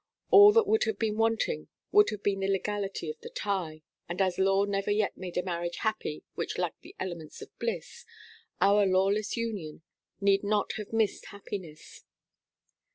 All that would have been wanting would have been the legality of the tie: and as law never yet made a marriage happy which lacked the elements of bliss, our lawless union need not have missed happiness.